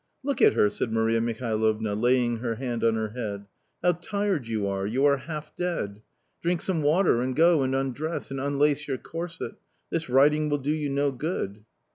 " Look at her !" said Maria Mihalovna, laying her hand on her head :" how tired you are, you are half dead. Drink some water and go and undress and unlace your corset. This riding will do you no good